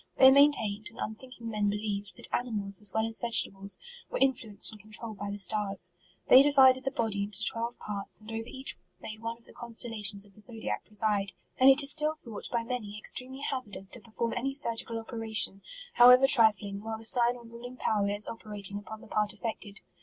Thej maintained, and unthinking men believed, that animals, as well as vegetables, were in fluenced and controlled by the stars. They di vided the body into twelve parts, and over each made one of the constellations of the zodiac preside ; and it is still thought, by many, ex tremely hazardous to perform any surgical op eration, however trifling, while the sign or ru ling power is operating upon the part affected.